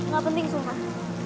gak penting sumpah